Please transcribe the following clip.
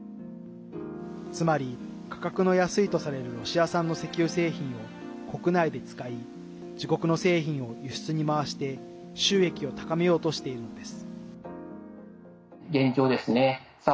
つまり、価格の安いとされるロシア産の石油製品を国内で使い自国の製品を輸出に回して収益を高めようとしているのです。